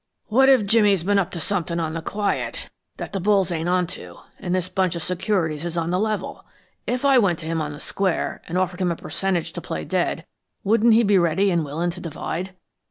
"What if Jimmy has been up to somethin' on the quiet, that the bulls ain't on to, and this bunch of securities is on the level? If I went to him on the square, and offered him a percentage to play dead, wouldn't he be ready and willin' to divide?"